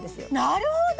なるほど！